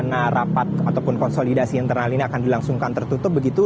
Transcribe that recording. bagaimana rapat ataupun konsolidasi internal ini akan dilangsungkan tertutup begitu